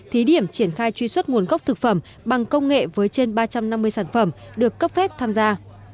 thí điểm triển khai truy xuất nguồn gốc thực phẩm bằng công nghệ với trên ba trăm năm mươi sản phẩm được cấp phép tham gia